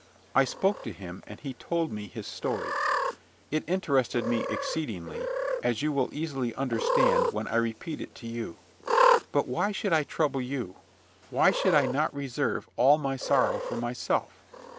I spoke to him, and he told me his story. It interested me exceedingly, as you will easily understand when I repeat it to you. But why should I trouble you? Why should I not reserve all my sorrow for myself?